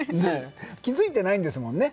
気付いてないんですもんね。